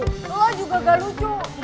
lo juga gak lucu